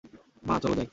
মা, চলো যাই।